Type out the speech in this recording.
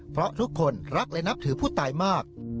เพราะทุกคนรักและนับถือผู้ตายมาก